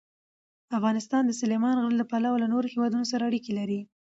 افغانستان د سلیمان غر له پلوه له نورو هېوادونو سره اړیکې لري.